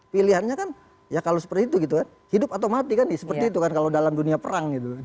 pilihannya kan ya kalau seperti itu gitu kan hidup atau mati kan seperti itu kan kalau dalam dunia perang gitu